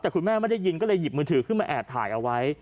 แต่คุณแม่ไม่ได้ยินก็เลยหยิบมือถือขึ้นมาแอบถ่ายเอาไว้